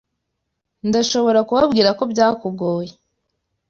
Ndashobora kubabwira ko byakugoye.